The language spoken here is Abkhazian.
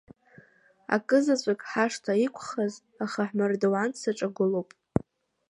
Акызаҵәык ҳашҭа иқәхаз, ахаҳәмардуан саҿагылоуп.